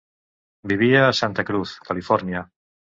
Vivia a Santa Cruz, Califòrnia.